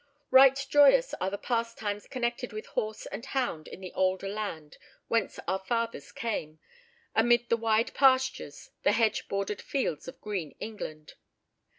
Right joyous are the pastimes connected with horse and hound in the older land whence our fathers came, amid the wide pastures, the hedge bordered fields of green England.